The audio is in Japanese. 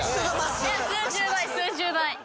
いや数十倍数十倍。